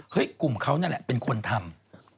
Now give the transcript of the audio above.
กลุ่มเขานั่นแหละเป็นคนทำ